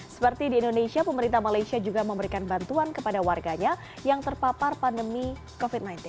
seperti di indonesia pemerintah malaysia juga memberikan bantuan kepada warganya yang terpapar pandemi covid sembilan belas